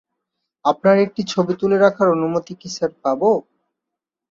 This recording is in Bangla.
আপনার একটি ছবি তুলে রাখার অনুমতি কি স্যার পাব?